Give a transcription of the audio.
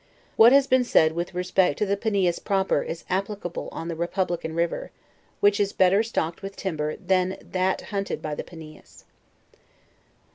What has been said with respect to the Panias Proper is applicable on the Republican river, which is better stocked with timber than that hunted by the Pa mas.